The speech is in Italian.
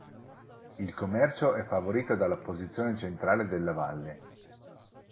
Il commercio è favorito dalla posizione centrale della Valle.